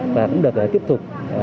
và cũng được tiếp tục